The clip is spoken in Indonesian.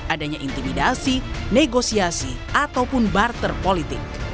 adanya intimidasi negosiasi ataupun barter politik